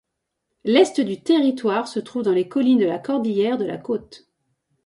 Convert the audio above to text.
L'est du territoire se trouve dans les collines de la Cordillère de la Côte.